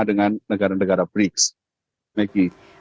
dengan negara negara briggs